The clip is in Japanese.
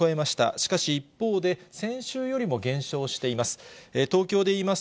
しかし一方で、先週よりも減少しています。